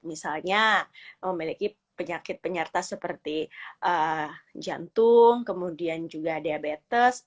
misalnya memiliki penyakit penyerta seperti jantung kemudian juga diabetes